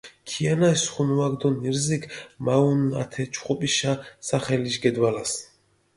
ქიანაშ სხუნუაქ დო ნირზიქ მაჸუნჷ ათე ჩხუპიშა სახელიშ გედვალას.